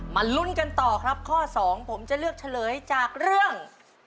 ลุ้นกันต่อครับข้อสองผมจะเลือกเฉลยจากเรื่อง